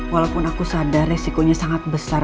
walaupun aku sadar resikonya sangat besar